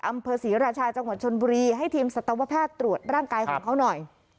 อำเภอศรีราชาจังหวัดชนบุรีให้ทีมสัตวแพทย์ตรวจร่างกายของเขาหน่อย